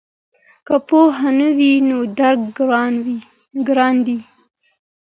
که پوهه نه وي نو درک ګران دی.